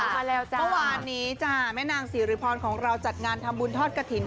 เมื่อวานนี้แม่นางสิริพรของเราจัดงานทำบุญทอดกถิ่น